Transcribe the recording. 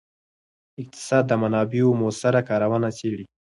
اقتصاد د منابعو مؤثره کارونه څیړي.